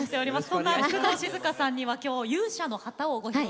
そんな工藤静香さんには今日「勇者の旗」をご披露頂きます。